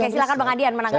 silahkan bang adian menanggapi